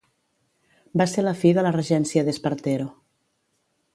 Va ser la fi de la regència d'Espartero.